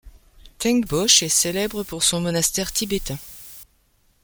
Tengboche est célèbre pour son monastère tibétain.